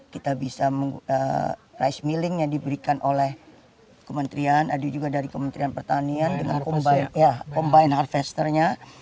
kita bisa rice milling yang diberikan oleh kementerian ada juga dari kementerian pertanian dengan combine harvesternya